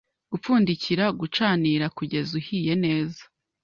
Gupfundikira. Gucanira kugeza uhiye neza